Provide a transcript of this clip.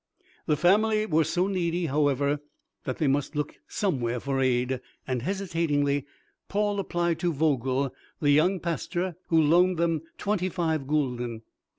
The family were so needy, however, that they must look somewhere for aid, and hesitatingly Paul applied to Vogel, the young pastor, who loaned them twenty five gulden.